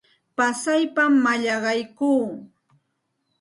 Pasaypam mallaqaykuu.